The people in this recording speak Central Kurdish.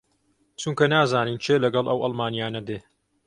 چونکە نازانین کێ لەگەڵ ئەو ئاڵمانییانە دێ